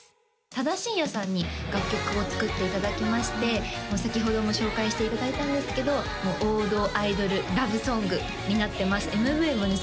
多田慎也さんに楽曲を作っていただきまして先ほども紹介していただいたんですけど王道アイドルラブソングになってますＭＶもね